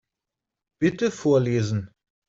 Bitte vorlesen.